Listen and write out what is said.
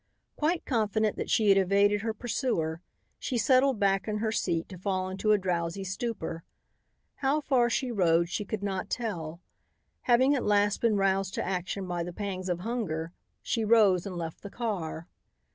Quite confident that she had evaded her pursuer, she settled back in her seat to fall into a drowsy stupor. How far she rode she could not tell. Having at last been roused to action by the pangs of hunger, she rose and left the car.